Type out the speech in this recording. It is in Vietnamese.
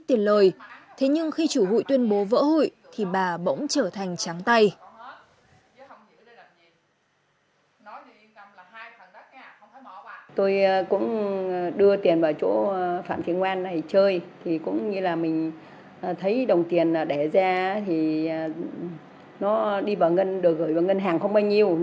ít tiền lời thế nhưng khi chủ hụi tuyên bố vỡ hụi thì bà bỗng trở thành tráng tay